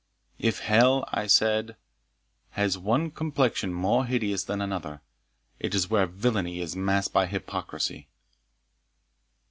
"If hell," I said, "has one complexion more hideous than another, it is where villany is masked by hypocrisy."